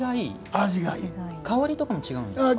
香りとかも違うんですか？